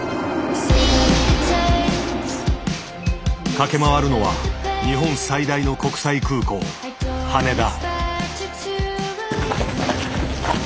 駆け回るのは日本最大の国際空港羽田。